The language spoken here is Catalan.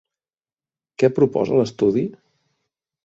Què proposa l'Estudi?